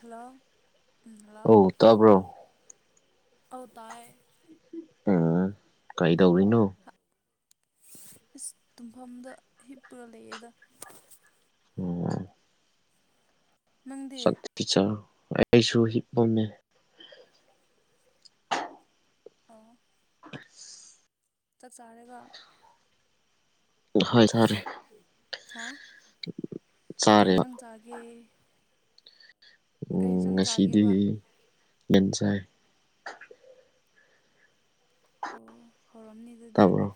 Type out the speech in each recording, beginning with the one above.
Hello ꯎꯝ hello ꯑꯧ ꯇꯥꯕ꯭ꯔꯣ ꯑꯧ ꯇꯥꯏ ꯎꯝ ꯀꯩꯗꯧꯔꯤꯅꯣ [unintelligible] ꯏꯁ ꯇꯨꯝꯐꯝꯗ ꯍꯤꯞꯄꯒ ꯂꯩꯌꯦꯗ ꯎꯝ ꯅꯪꯗꯤ [unintelligible] ꯑꯩꯁꯨ ꯍꯝꯞꯄꯝꯃꯦ ꯑꯣ [unintelligible] ꯆꯥꯛ ꯆꯥꯔꯦꯒꯣ ꯍꯣꯏ ꯆꯥꯔꯦ ꯍꯥ ꯀꯩ ꯆꯥꯔꯦꯕ ꯌꯦꯟꯁꯥꯡ ꯆꯥꯒꯦ ꯀꯩ ꯏꯟꯁꯥꯡ ꯉꯁꯤꯗꯤ ꯆꯥꯒꯦꯕ ꯌꯦꯟ ꯆꯥꯏ ꯑꯣ ꯍꯥꯎꯔꯝꯅꯤ ꯑꯗꯨꯗꯤ ꯇꯥꯕ꯭ꯔꯣ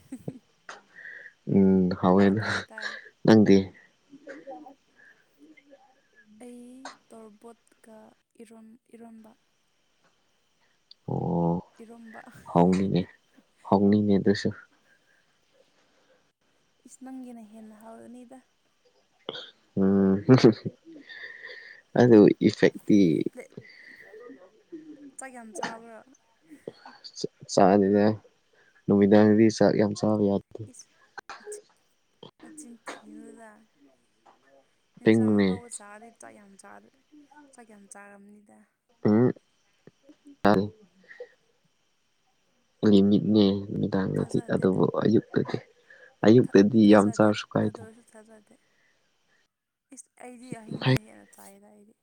ꯎꯝ ꯍꯥꯎꯑꯦ ꯑꯣ ꯑꯗꯣ ꯇꯥꯏ ꯇꯥꯏ ꯅꯪꯗꯤ ꯑꯩ ꯇꯣꯔꯕꯣꯠꯀ ꯏꯔꯣꯟ ꯏꯔꯣꯟꯕ ꯏꯔꯣꯝꯕ ꯍꯣꯡꯅꯤꯅꯦ ꯍꯣꯡꯅꯤꯅꯦ ꯑꯗꯨꯁꯨ ꯏꯁ ꯅꯪꯒꯤꯅ ꯍꯦꯟꯅ ꯍꯥꯎꯔꯅꯤꯗ ꯎꯝ [unintelligible] ꯏꯐꯦꯛ [unintelligible] ꯆꯥꯛ ꯌꯥꯝ ꯆꯥꯕ꯭ꯔꯥ ꯆꯥꯗꯦꯗ ꯅꯨꯃꯤꯗꯥꯡꯗꯤ ꯆꯥꯛ ꯌꯥꯝ ꯆꯥꯕ ꯌꯥꯗꯦ ꯏꯁ ꯅꯆꯤꯟ ꯅꯆꯤꯟ ꯊꯤꯅꯨꯗ ꯌꯦꯟꯁꯥꯡ ꯇꯤꯡꯅꯦ ꯑꯍꯥꯎꯕ ꯆꯥꯔꯗꯤ ꯆꯥꯛ ꯌꯥꯝ ꯆꯥ ꯆꯥꯛ ꯌꯥꯝ ꯆꯥꯔꯝꯅꯤꯗ ꯎꯝ [unintelligible] [unintelligible] ꯃꯤꯠꯅꯦ ꯃꯤꯠ ꯅꯨꯝꯗꯥꯡꯗꯗꯤ ꯊꯥꯖꯗꯦ ꯑꯗꯨꯕꯨ ꯑꯌꯨꯛꯇꯗꯤ ꯊ ꯑꯌꯨꯛꯇꯗꯤ ꯌꯥꯝ ꯊꯥꯖꯗꯦ ꯆꯥꯔꯁꯨ ꯑꯗꯨ ꯀꯥꯏꯗꯦ ꯑꯣꯏꯔꯁꯨ ꯊꯥꯖꯗꯦ ꯏꯁ ꯑꯩꯗꯤ ꯑꯍꯤꯡꯗ ꯍꯦꯟꯅ ꯇꯥꯏꯗ ꯑꯩꯗꯤ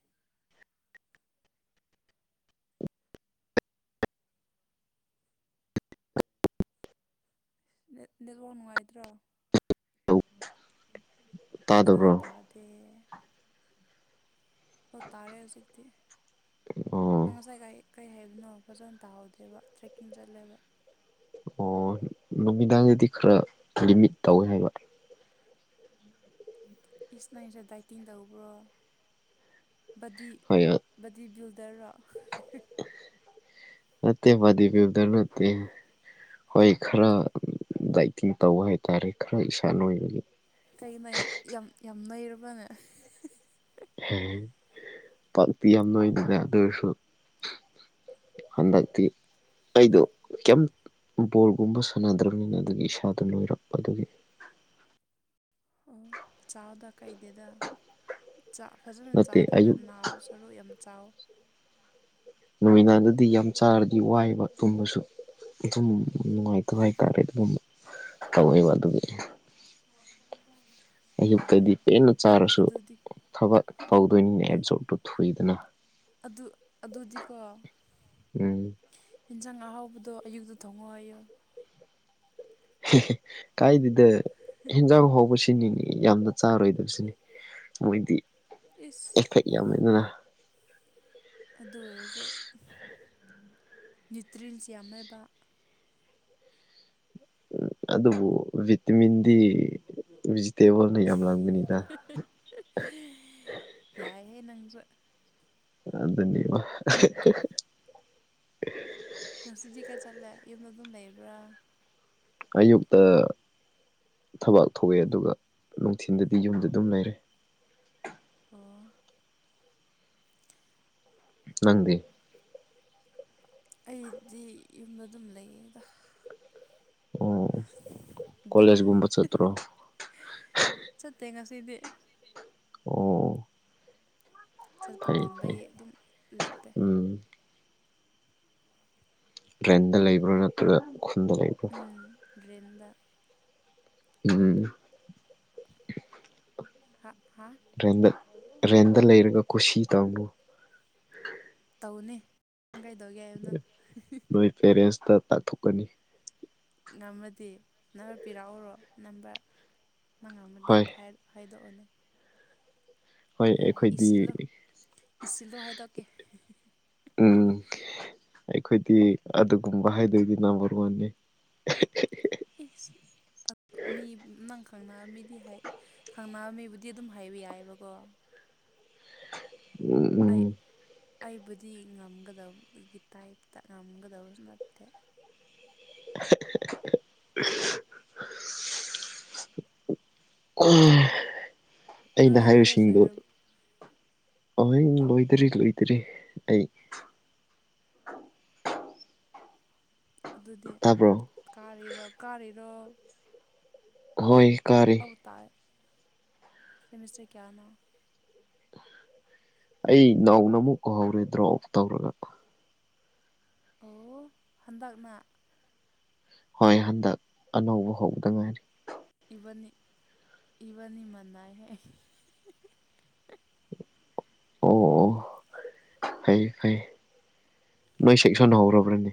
ꯅꯦꯠ ꯅꯦꯠꯋꯥꯔꯛ ꯅꯨꯡꯉꯥꯏꯇꯔꯣ [unintelligible] [inaudible] ꯐꯖꯅ ꯇꯥꯗꯦ ꯑꯀ ꯇꯥꯔꯦ ꯍꯧꯖꯤꯛꯇꯤ ꯑꯣ ꯅꯪ ꯉꯁꯥꯏ ꯀꯥꯏ ꯀꯩ ꯍꯥꯏꯕꯅꯣ ꯐꯖꯅ ꯇꯥꯍꯧꯗꯦꯕ ꯇ꯭ꯔꯦꯛꯀꯤꯡ ꯆꯠꯂꯦꯕ ꯑꯣ ꯅꯨꯃꯤꯗꯥꯡꯗꯗꯤ ꯈꯔ ꯂꯤꯃꯤꯠ ꯇꯧꯋꯦ ꯍꯥꯏꯕ ꯏꯁ ꯅꯩꯁꯦ ꯗꯥꯏꯇꯤꯡ ꯇꯧꯕ꯭ꯔꯣ ꯕꯗꯤ ꯍꯣꯏ ꯕꯗꯤ ꯕꯤꯜꯗꯔꯔꯣ ꯇꯠꯇꯦ ꯕꯗꯤ ꯕꯤꯜꯗꯔ ꯅꯠꯇꯦ ꯍꯣꯏ ꯈꯔ ꯗꯥꯏꯇꯤꯡ ꯇꯧꯕ ꯍꯥꯏꯇꯥꯔꯦ ꯈꯔ ꯏꯁꯥ ꯅꯣꯏꯕꯒꯤ ꯀꯩꯒꯤꯅꯣ ꯌꯥꯝ ꯌꯥꯝ ꯌꯥꯝ ꯅꯣꯏꯔꯕꯅꯦ [unintelligible] ꯄꯥꯛꯇꯤ ꯌꯥꯝ ꯅꯣꯏ ꯗꯦꯗ ꯑꯗꯨ ꯑꯣꯏꯔꯁꯨ ꯍꯟꯗꯛꯇꯤ ꯑꯩꯗꯣ ꯀꯩꯝ ꯕꯣꯜꯒꯨꯝꯕ ꯁꯥꯟꯅꯗ꯭ꯔꯕꯅꯤꯅ ꯑꯗꯨꯒꯤ ꯏꯁꯥꯗꯣ ꯅꯣꯏꯔꯛꯄ ꯑꯗꯨꯒꯤ ꯑꯣ ꯆꯥꯎꯥꯗ ꯀꯥꯏꯗꯦꯗ ꯆꯥꯛ ꯐꯖꯅ ꯅꯠꯇꯦ ꯆꯥꯗ꯭ꯔꯒ ꯑꯌꯨꯛ ꯅꯥꯕ ꯁꯔꯨꯛ ꯌꯥꯝ ꯆꯥꯎ ꯅꯨꯃꯤꯗꯥꯡꯗꯗꯤ ꯌꯥꯝ ꯆꯥꯔꯗꯤ ꯋꯥꯏꯕ ꯇꯨꯝꯕꯁꯨ ꯑꯗꯨꯝ ꯅꯨꯡꯉꯥꯏꯇꯕ ꯍꯥꯏꯇꯥꯔꯦ ꯑꯗꯨꯒꯨꯝꯕ ꯇꯧꯋꯦꯕ ꯑꯗꯨꯒꯤ ꯍꯣꯏ ꯍꯣꯏ ꯑꯌꯨꯛꯇꯗꯤ ꯄꯦꯟꯅ ꯆꯥꯔꯁꯨ ꯑꯗꯨꯗꯤ ꯊꯕꯛ ꯇꯧꯗꯣꯏꯅꯤꯅ [unintelligible] ꯊꯨꯏꯗꯅ ꯑꯗꯨ ꯑꯗꯨꯗꯤꯀꯣ ꯎꯝ ꯌꯦꯟꯁꯥꯡ ꯑꯍꯥꯎꯕꯗꯣ ꯑꯌꯨꯛꯇ ꯊꯣꯡꯉꯣ ꯍꯥꯏꯌꯨ ꯍꯦ ꯍꯦ ꯀꯥꯏꯗꯤꯗ ꯍꯦꯟꯖꯥꯡ ꯍꯥꯎꯕꯁꯤ ꯁꯤꯅꯤꯅꯤ ꯌꯥꯝꯅ ꯆꯥꯔꯣꯏꯗꯕꯁꯤꯅꯤ ꯃꯣꯏꯗꯤ ꯏꯁ ꯌꯥꯃꯟꯗꯅ ꯑꯗꯨ ꯑꯣꯏꯔꯖꯨ ꯅ꯭ꯌꯨꯇ꯭ꯔꯤꯟꯁ ꯌꯥꯝꯃꯦꯕ ꯎꯝ ꯑꯗꯨꯕꯨ ꯚꯤꯇꯤꯃꯤꯟꯗꯤ ꯚꯤꯖꯤꯇꯦꯕꯜꯅ ꯌꯥꯝ ꯂꯝꯒꯅꯤꯗ ꯌꯥꯏ ꯍꯦ ꯅꯪꯁꯨ ꯑꯗꯨꯅꯤꯕ [unintelligible] ꯉꯪꯁꯤꯗꯤ ꯀꯩ ꯆꯠꯂꯦ ꯌꯨꯝꯗ ꯑꯗꯨꯝ ꯂꯩꯕ꯭ꯔꯥ ꯑꯌꯨꯛꯇ ꯊꯕꯥꯛ ꯊꯣꯛꯑꯦ ꯑꯗꯨꯒ ꯅꯨꯡꯊꯤꯟꯗꯗꯤ ꯌꯨꯝꯗ ꯑꯗꯨꯝ ꯂꯩꯔꯦ ꯑꯣ ꯅꯪꯗꯤ ꯑꯩꯗꯤ ꯌꯨꯝꯗ ꯑꯗꯨꯝ ꯂꯩꯌꯦꯗ ꯑꯣ ꯗꯥ ꯀꯣꯂꯦꯖꯒꯨꯝꯕ ꯆꯠꯇ꯭ꯔꯣ ꯆꯠꯇꯦ ꯉꯁꯤꯗꯤ꯫ ꯑꯣ꯫ ꯆꯠꯄ ꯐꯩ ꯐꯩ ꯇꯟꯕꯒꯤ ꯑꯗꯨꯝ ꯂꯦꯞꯄꯦ꯫ ꯎꯝ ꯔꯦꯟꯗ ꯂꯩꯕ꯭ꯔꯣ ꯅꯠꯇ꯭ꯔꯒ ꯈꯨꯟꯗ ꯂꯩꯕ꯭ꯔꯥ꯫ ꯎꯝ ꯔꯦꯟꯗ꯫ ꯎꯝ꯫ ꯍꯥ ꯍꯥꯥ꯫ ꯔꯦꯟꯗ ꯔꯦꯟꯗ ꯂꯩꯔꯒ ꯀꯨꯁꯤ ꯇꯧꯅꯨ꯫ ꯇꯧꯅꯦ ꯅꯪ ꯀꯩꯗꯧꯒꯦ ꯍꯥꯏꯕꯅꯣ ꯅꯣꯏ ꯄꯦꯔꯦꯟꯁꯇ ꯇꯥꯛꯊꯣꯛꯀꯅꯤ ꯉꯝꯃꯗꯤ ꯅꯝꯕꫪ ꯄꯤꯔꯛꯎꯔꯣ ꯅꯝꯕꫪ ꯅꯪ ꯉꯝꯃꯗꯤ ꯍꯣꯏ ꯍꯥꯏꯗꯣꯛ ꯑꫭꯅꯦ ꯍꯣꯏ ꯌꯥꯏ ꯑꯩꯈꯣꯏꯗꯤ ꯏꯁꯤꯜꯂꯨ ꯏꯁꯤꯜꯂꯣ ꯍꯥꯏꯗꯣꯛꯀꯦ ꯎꯝ ꯑꯩꯈꯣꯏꯗꯤ ꯑꯗꯨꯒꯨꯝꯕ ꯍꯥꯏꯗꯣꯏꯗꯤ ꯅꯝꯕꯔ ꯋꯥꯟꯅꯦ [unintelligible] ꯏꯁ ꯑ ꯃꯤ ꯅꯪ ꯈꯪꯅꯕ ꯃꯤꯗꯤ ꯍꯥꯏ ꯈꯪꯅꯕ ꯃꯤꯕꯨꯗꯤ ꯑꯗꯨꯝ ꯍꯥꯏꯕ ꯌꯥꯏꯑꯕꯀꯣ꯫ ꯎꯝ꯫ ꯑꯩ ꯑꯩꯕꯨꯗꯤ ꯉꯝꯒꯗꯕꯒꯤ ꯇꯥꯏꯞꯇ ꯉꯝꯒꯗꯕꯁꯨ ꯅꯠꯇꯦ꯫ ꯎꯝ ꯑꯩꯅ ꯅꯪꯗꯤ ꯀꯣꯂꯦꯖ ꯍꯥꯏꯔꯤꯁꯤꯡꯗꯨ ꯂꯩꯔ ꯑꯣꯍꯤ ꯂꯣꯏꯗ꯭ꯔꯤ ꯂꯣꯏꯗ꯭ꯔꯤ ꯑꯩ꯫ ꯑꯗꯨꯗꯤ ꯇꯥꯕ꯭ꯔꯣ ꯀꯥꯔꯤꯔꯣ ꯀꯥꯔꯤꯔꯣ꯫ ꯍꯣꯏ꯫ ꯀꯥꯔꯤ ꯑꯧ ꯇꯥꯏ ꯁꯦꯃꯤꯁꯇ ꯀꯌꯥꯅꯣ꯫ ꯑꯩ ꯅꯧꯅ ꯑꯃꯨꯛ ꯍꯧꯔꯦ ꯗ꯭ꯔꫭꯞ ꯇꯧꯔꯒ꯫ ꯑꯣ ꯍꯟꯗꯛꯅ꯫ ꯍꯣꯏ ꯍꯟꯗꯛ ꯑꯅꯧꯕ ꯍꯧꯕꯗ ꯉꯥꯏꯔꯤ꯫ ꯏꯕꯅꯤ ꯏꯕꯅꯤ ꯃꯅꯥꯏꯍꯦ꯫ ꯑꯣ ꯑꯣ ꯐꯩ ꯐꯩ ꯅꯣꯏ ꯁꯦꯛꯁꯟ ꯍꯧꯔꯕ꯭ꯔꯅꯦ꯫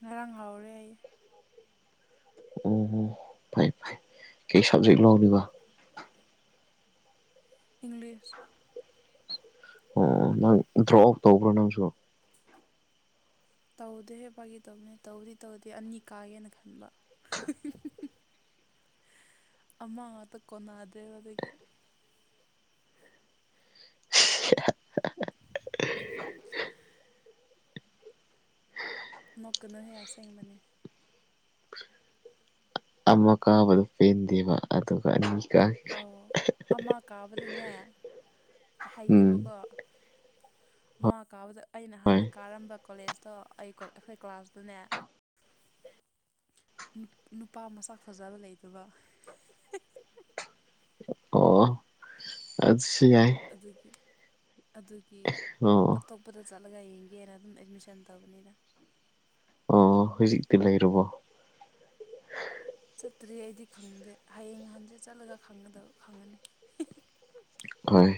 ꯉꯔꯥꯡ ꯍꯥꯎꯔꯦ ꯑꯩ꯫ ꯑꯣ ꯑꯣ ꯐꯩ ꯐꯩ ꯀꯩ ꯁꯕꯖꯦꯛ ꯂꯧꯔꯤꯕ꯫ ꯏꯪꯂꯤꯁ꯫ ꯑꯣ ꯅꯪ ꯗ꯭ꯔꯣꯑꯥꯎꯠ ꯇꯧꯕ꯭ꯔ ꯅꯪꯁꯨ꯫ [unintelligible] ꯇꯧꯗꯦꯍꯦ ꯐꯥꯒꯤ ꯇꯧꯕꯅꯦ ꯇꯧꯗꯤ ꯇꯧꯗꯦ ꯑꯅꯤ ꯀꯥꯒꯦꯅ ꯈꯟꯕ꯫ ꯑꯃ ꯉꯥꯛꯇ ꯀꯣꯟꯅꯗ꯭ꯔꯦꯕ ꯑꯗꯒꯤ꯫ [unintelligible] ꯅꯣꯛꯀꯅꯣꯍꯦ ꯑꯁꯦꯡꯕꯅꯦ꯫ ꯑꯃ ꯀꯥꯕꯗꯨ ꯄꯦꯟ ꯗꯦꯕ ꯑꯗꯨꯒ ꯑꯅꯤ ꯀꯥꯒꯤ꯫ ꯑꯣ ꯑꯃ ꯀꯥꯕꯗꯅꯦ ꯎꯝ ꯍꯥꯏꯒꯦꯕꯀꯣ꯫ ꯃꯥ ꯀꯥꯕꯗ ꯑꯩꯅ ꯍꯣꯏ ꯍꯥꯟꯅ ꯀꯥꯔꯝꯕ ꯀꯣꯂꯦꯖꯇꯣ ꯑꯩ ꯑꯩꯈꯣꯏ ꯀ꯭ꯂꯥꯁꯇꯨꯅꯦ꯫ ꯅꯨꯄꯥ ꯃꯁꯛ ꯐꯖꯕ ꯂꯩꯇꯕ꯫ ꯑꯣ ꯑꯗꯨꯁꯨ ꯌꯥꯏ꯫ ꯑꯗꯨꯒꯤ ꯑꯗꯨꯒꯤ꯫ ꯑꯣ꯫ ꯑꯇꯣꯞꯄꯗ ꯆꯠꯂꯒ ꯌꯦꯡꯒꯦꯅ ꯑꯗꯨꯝ ꯑꯦꯠꯃꯤꯁꯟ ꯇꯧꯕꯅꯤꯗ꯫ ꯑꯣ ꯍꯧꯖꯤꯛꯇꯤ ꯂꯩꯔꯨꯕꯣ꯫ ꯆꯠꯇ꯭ꯔꯤ ꯑꯩꯗꯤ ꯈꯪꯗꯦ ꯍꯌꯦꯡ ꯍꯟꯖꯤꯠ ꯆꯠꯂꯒ ꯈꯪꯗꯕ ꯈꯪꯉꯅꯤ꯫ ꯍꯣꯏ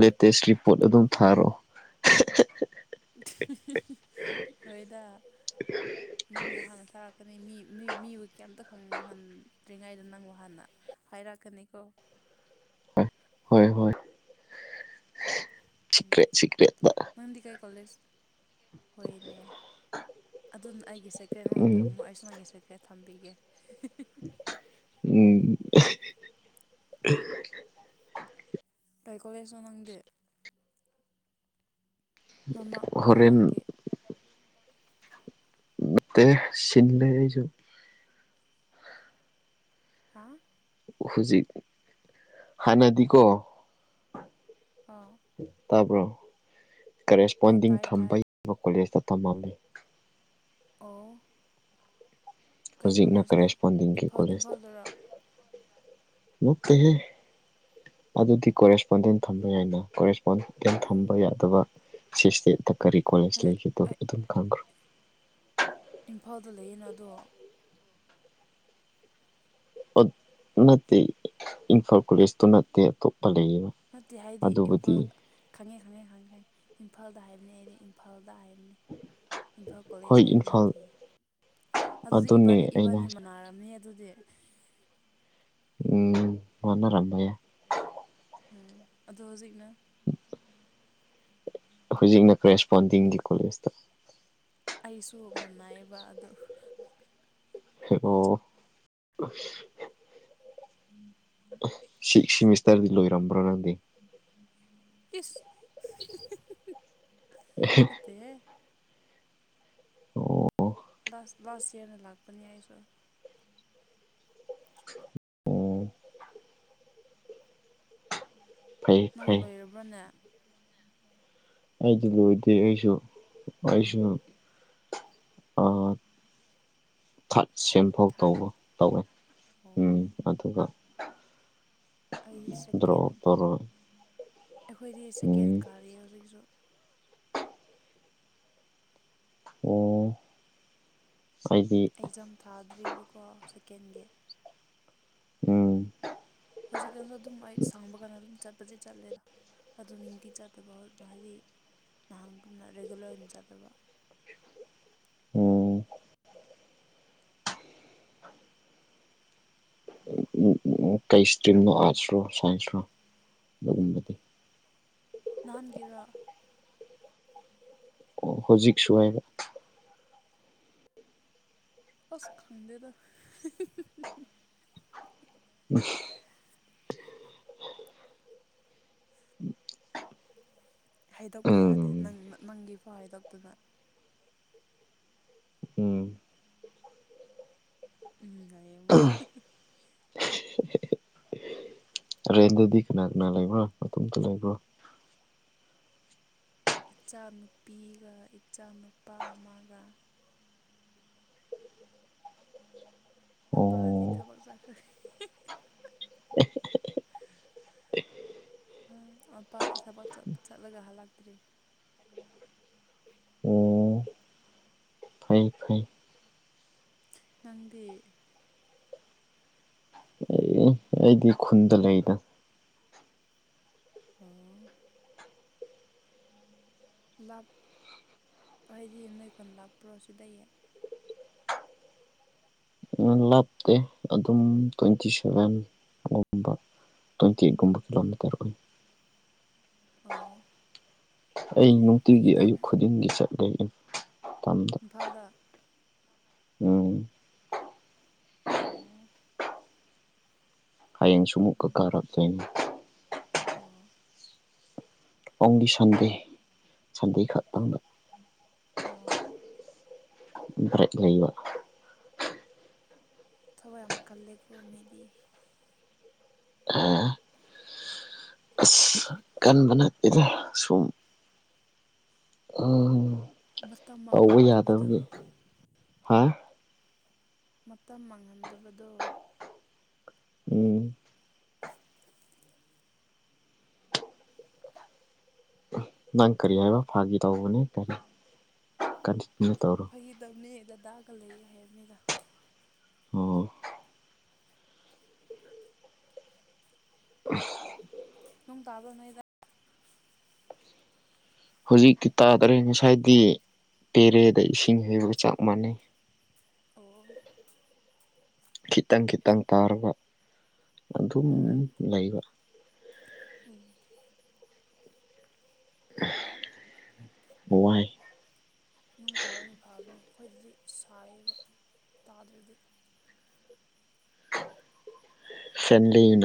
ꯂꯦꯇꯦꯁꯀꯤ ꯄꯣꯠ ꯑꯗꯨꯝ ꯊꯥꯔꯣ꯫ ꯍꯣꯏꯗ꯫ ꯅꯪꯕꯨ ꯍꯥꯟꯅ ꯊꯥꯔꯛꯀꯅꯤ ꯃꯤ ꯃꯤ ꯃꯤꯕꯨ ꯀꯩꯝꯇ ꯈꯪꯍꯟꯗ꯭ꯔꯤꯉꯩꯗ ꯅꯪꯕꯨ ꯍꯥꯟꯅ꯫ ꯍꯥꯏꯔꯛꯀꯅꯤꯀꯣ ꯍꯣꯏ ꯍꯣꯏ ꯎꯝ ꯁꯦꯀꯔ꯭ꯦꯠ ꯁꯦꯛꯔꯦꯠ ꯅꯪꯗꯤ ꯀꯩ ꯀꯣꯂꯦꯖ ꯍꯣꯏꯅꯦ ꯑꯗꯨꯅ ꯑꯩꯒꯤꯁꯦ ꯁꯦꯀ꯭ꯔꯦꯠ ꯅꯗ ꯎꯝ ꯊꯝꯃꯣ ꯑꯩꯁꯨ ꯅꯪꯒꯤ ꯁꯦ ꯀ꯭ꯔꯦꯠ ꯊꯝꯕꯤꯒꯦ ꯎꯝ ꯀꯩ ꯀꯣꯂꯦꯖꯁꯨ ꯅꯪꯗꯦ ꯃꯃꯥꯡ ꯍꯣꯔꯦꯟ ꯃꯃꯥꯡꯒꯤ ꯅꯥꯠꯇꯦꯍꯦ ꯆꯤꯟꯂꯦ ꯑꯩꯁꯨ꯫ ꯍꯥꯥ꯫ ꯍꯧꯖꯤꯛ ꯍꯥꯟꯅꯗꯤꯀꯣ꯫ ꯑꯥ꯫ ꯇꯥꯕ꯭ꯔꯣ ꯑꯣ ꯀꯔꯦꯁꯄꯣꯟꯗꯤꯡ ꯇꯥꯏ ꯊꯝꯕ ꯇꯥꯏ ꯌꯥꯕ ꯀꯣꯂꯦꯖꯇ ꯇꯝꯃꯝꯃꯤ꯫ ꯑꯣ꯫ ꯀꯩ ꯍꯧꯖꯤꯛꯅ ꯀꯣꯂꯦꯖꯅꯣ ꯀꯔꯦꯁꯄꯣꯟꯗꯤꯡꯒꯤ ꯏꯝꯐꯥꯜ ꯀꯣꯂꯦꯖꯇ ꯏꯝꯐꯥꯜꯗꯔꯣ ꯅꯠꯇꯦꯍꯦ꯫ ꯑꯗꯨꯗꯤ ꯀꯣꯔꯦꯁꯄꯣꯟꯗꯦꯟ ꯊꯝꯕ ꯌꯥꯏꯅ ꯀꯣꯔꯦꯁꯄꯣꯟꯗꯦꯟ ꯊꯝꯕ ꯌꯥꯗꯕ ꯁꯤꯁ ꯀꯔꯤ ꯀꯣꯂꯦꯖ ꯂꯩꯒꯦꯗꯣ ꯑꯩ ꯑꯗꯨꯝ ꯈꯪꯈ꯭ꯔꯣ ꯏꯝꯐꯥꯜꯗ ꯂꯩꯌꯦꯅ ꯑꯗꯣ ꯅꯠꯇꯦ ꯏꯝꯐꯥꯜ ꯀꯣꯂꯦꯖꯇꯣ ꯅꯠꯇꯦ ꯑꯇꯣꯞꯄ ꯂꯩꯌꯦꯕ ꯅꯠꯇꯦ ꯍꯥꯏꯗꯤ ꯑꯗꯨꯕꯨꯗꯤ ꯏꯝꯐꯥꯜꯗ ꯈꯪꯉꯦ ꯈꯪꯉꯦ ꯈꯪꯉꯦ ꯏꯝꯐꯥꯜꯗ ꯍꯥꯏꯕꯅꯤ ꯑꯩꯗꯤ ꯏꯝꯐꯥꯜꯗ ꯍꯥꯏꯕꯅꯤ ꯏꯝꯐꯥꯜ ꯍꯣꯏ ꯀꯣꯂꯦꯖ ꯍꯥꯏꯕ ꯏꯝꯐꯥꯜ ꯅꯠꯇꯦꯌꯦ ꯑꯗꯨꯗꯤ ꯑꯗꯨꯅꯦ ꯏꯕꯥꯅꯤ ꯑꯩꯅ ꯏꯕꯥꯅꯤ ꯃꯅꯥꯔꯝꯅꯤ ꯑꯗꯨꯗꯤ ꯎꯝ ꯃꯥꯟꯅꯔꯝꯕ ꯌꯥ ꯎꯝ ꯑꯗꯣ ꯍꯧꯖꯤꯛꯅ ꯍꯧꯖꯤꯛꯅ ꯀꯔꯦꯁꯄꯣꯟꯗꯤꯡꯒꯤ ꯀꯣꯂꯦꯖꯇ ꯑꯩꯁꯨ ꯃꯅꯥꯏꯕ ꯑꯗꯨ ꯑꯣ ꯁꯤ ꯁꯤꯃꯤꯁꯇ꯭ꯔꯗꯤ ꯂꯣꯏꯔꯝꯕꯔꯗꯤ ꯅꯠꯇꯦꯍꯦ ꯂꯥꯁ ꯂꯥꯁ ꯏꯌꯥꯔꯅ ꯂꯥꯛꯄꯅꯤ ꯍꯥꯏꯁꯨ ꯎꯝ ꯐꯩ ꯅꯪ ꯐꯩ ꯂꯣꯏꯔꯕ꯭ꯔꯣꯅꯦ ꯑꯩꯗꯤ ꯂꯣꯏꯗꯔꯤ ꯑꯩꯁꯨ ꯑꯩꯁꯨ ꯑ ꯊꯥꯠ ꯁꯦꯝꯐꯥꯎ ꯊꯥꯔꯠ ꯇꯧꯕ ꯇꯧꯋꯦ ꯎꯝ ꯑꯣ ꯑꯗꯨꯒ ꯑꯩꯗꯤ ꯗ꯭ꯔꯧ ꯁꯦꯀꯦꯟ ꯇꯧꯔꯒ ꯎꯝ ꯇꯥꯔꯤ ꯍꯧꯖꯤꯛꯁꯨ ꯑꯣ ꯍꯥꯏꯗꯤ ꯑꯦꯛꯖꯥꯝ ꯊꯥꯗ꯭ꯔꯤꯕꯀꯣ ꯁꯦꯀꯦꯟꯒꯤ ꯎꯝ ꯍꯧꯖꯤꯛꯀꯥꯟꯁꯨ ꯑꯗꯨꯝ ꯑꯩ ꯁꯪꯕ ꯀꯥꯟꯗ ꯑꯗꯨꯝ ꯆꯠꯄꯁꯤ ꯆꯠꯂꯦꯗ ꯑꯗꯨ ꯅꯨꯡꯇꯤ ꯆꯥꯠꯇꯕ ꯍꯥꯏꯗꯤ ꯅꯍꯥꯟꯒꯨꯝꯅ ꯔꯤꯒꯨꯂꯔ ꯑꯣꯏꯅ ꯆꯥꯠꯇꯕ ꯎꯝ ꯀꯩ ꯏꯁꯇ꯭ꯔꯤꯝꯅꯣ ꯑꯥꯔꯠꯁꯔꯣ ꯁꯥꯏꯟꯁ꯭ꯔꯣ ꯑꯗꯨꯒꯨꯝꯕꯗꯤ ꯅꯥꯍꯥꯟꯒꯤꯔꯣ ꯑꯣ ꯍꯧꯖꯤꯛꯁꯨ ꯍꯥꯏꯕ ꯑꯁ ꯈꯪꯗ‌ꯦꯗ ꯍꯥꯏꯗꯣꯛꯄꯤ ꯌꯥꯗꯦ ꯎꯝ ꯅꯪ ꯅꯪꯒꯤ ꯐꯥꯎ ꯍꯥꯏꯗꯣꯛꯇꯅ ꯎꯝ ꯎꯝ [unintelligible] ꯔꯦꯟꯗꯗꯤ ꯀꯅꯥ ꯀꯅꯥ ꯂꯩꯕ꯭ꯔꯣ ꯃꯇꯣꯝꯇ ꯂꯩꯕ꯭ꯔꯣ ꯏꯆꯥꯅꯨꯄꯤꯒ ꯏꯆꯥ ꯅꯨꯨꯄꯥ ꯑꯃꯒ ꯃꯄꯥꯗꯤ ꯑꯣ ꯊꯕꯛ ꯆꯠꯈ꯭ꯔꯦ ꯎ ꯃꯄꯥꯗꯤ ꯊꯕꯛ ꯆꯠ ꯆꯠꯂꯒ ꯍꯜꯂꯛꯇ꯭ꯔꯤ ꯑꯣ ꯐꯩ ꯐꯩ ꯅꯪꯗꯤ ꯑꯩ ꯑꯩꯗꯤ ꯈꯨꯟꯗ ꯂꯩꯗ ꯑꫭ ꯂꯥꯞ ꯍꯥꯏꯗꯤ ꯅꯣꯏꯈꯣꯟ ꯂꯥꯞꯄ꯭ꯔꯣ ꯁꯤꯗꯩ ꯂꯥꯞꯇꯦ ꯑꯗꯨꯝ ꯇꫭꯋ꯭‌ꯦꯟꯇꯤ ꯁꯚꯦꯟꯒꯨꯝꯕ ꯇ꯭ꯋꯦꯟꯇꯤ ꯒꯨꯝꯕ ꯀꯤꯂꯣꯃꯤꯇꯔ ꯑꯣꯏ ꯑꯣ ꯑꯩ ꯐꯥꯒꯤ ꯅꯨꯡꯇꯤꯒꯤ ꯑꯌꯨꯛ ꯇꯧꯕꯅꯦ ꯈꯨꯗꯤꯡꯒꯤ ꯆꯠꯂꯦ ꯃꯇꯝꯗ ꯏꯝꯐꯥꯜꯗ ꯎꯝ ꯑꯣ ꯍꯌꯦꯡ ꯁꯨꯃꯨꯛꯀ ꯀꯥꯔꯛꯇꯣꯏꯅꯤ ꯑꯣ ꯑꯣꯡꯂꯤ ꯁꯟꯗꯦ ꯁꯟꯗꯦ ꯈꯛꯇꯪꯗ ꯑꫭ ꯕ꯭ꯔꯛ ꯂꯩꯕ ꯊꯕꯛ ꯌꯥꯝ ꯀꯜꯂꯦꯀꯣ ꯃꯤꯗꯤ ꯑꯁ ꯀꯟꯕ ꯅꯠꯇꯦꯗ ꯁꯨꯝ ꯎꯝ ꯃꯇꯝ ꯇꯧꯕ ꯃꯥꯡꯍꯟꯗꯕꯗꫭ ꯌꯥꯗꯕꯒꯤ ꯍꯥ ꯃꯇꯝ ꯃꯥꯡꯍꯟꯗꯕꯗꯣ ꯎꯝ [unintelligible] ꯅꯪ ꯀꯔꯤ ꯍꯥꯏꯕ ꯐꯥꯒꯤ ꯇꯧꯕꯅꯦ ꯀꯟꯇꯤꯅꯤꯎ ꯇꯧꯔꯣ ꯐꯒꯤꯇꯧꯅꯤ ꯗꯗꯥꯒ ꯂꯩ ꯍꯥꯏꯕꯅꯤꯗ ꯑꯣ ꯅꫭꯡ ꯇꯥꯕ꯭ꯔꫭ ꯅꫭꯏ ꯍꯧꯖꯤꯛꯇꯤ ꯇꯥꯗ꯭ꯔꯦ ꯉꯁꯥꯏꯗꯤ ꯄ‌ꯦꯔꯦꯗ ꯏꯁꯤꯡ ꯍꯩꯕꯒ ꯆꯞ ꯃꯥꯟꯅꯩ ꯑꯣ ꯈꯤꯇꯪ ꯈꯤꯇꯪ ꯇꯥꯔꯕ ꯑꯗꯨꯝ ꯑꯣ ꯂꯩꯕ ꯎꯝ ꯋꯥꯏ ꯅꫭꯡ ꯇꯥꯕꯅ ꯐꯥꯕꯅꯤ ꯑꯩꯈꯣꯏꯗꯗꯤ ꯁꯥꯏꯌꯦꯕ ꯇꯥꯗ꯭ꯔꯗꯤ ꯁꯗꯅ [unintelligible]